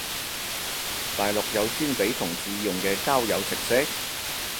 大陸有專俾同志用嘅交友程式？